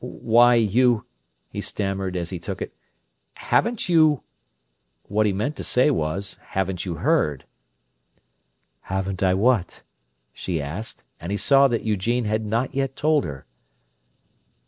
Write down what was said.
"Why—you—" he stammered, as he took it. "Haven't you—" What he meant to say was, "Haven't you heard?" "Haven't I what?" she asked; and he saw that Eugene had not yet told her.